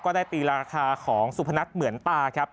ได้ตีราคาของสุพนัทเหมือนตาครับ